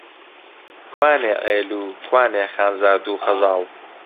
کوانێ عێل و، کوانێ خانزاد و خەزاڵ؟!